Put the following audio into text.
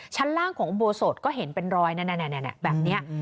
ชั้นล่างของอุโบสถก็เห็นเป็นรอยนั่นแบบนี้